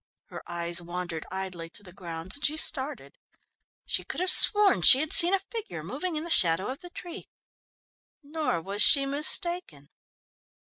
Her eyes wandered idly to the grounds and she started. She could have sworn she had seen a figure moving in the shadow of the tree, nor was she mistaken.